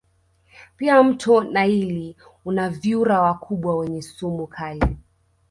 Pia mto naili una vyura wakubwa wenye sumu kali